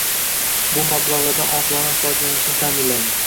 Bu mablag‘lardan oqilona foydalanishni ta’minlaydi.